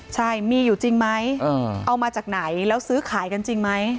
ใช่มีอยู่จริงไหมเอามาจากไหนแล้วซื้อขายกันจริงไหม